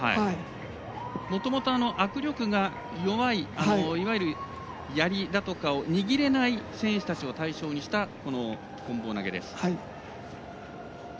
もともと握力が弱いいわゆるやりだとかを握れない選手たちを対象にしたこん棒投げです。